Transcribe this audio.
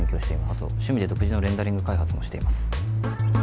あと趣味で独自のレンダリング開発もしています